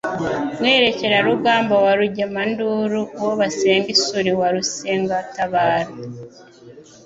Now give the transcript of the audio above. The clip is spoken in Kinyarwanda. Mwerekerarugamba wa Rugemanduru, uwo basenga isuri wa Rusengatabaro